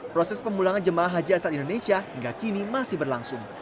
proses pemulangan jemaah haji asal indonesia hingga kini masih berlangsung